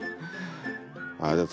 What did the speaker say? あじゃあ